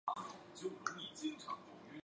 不等边三角形的内角总是各不相同。